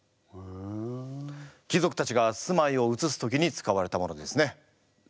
貴族たちが住まいをうつす時に使われたものですね。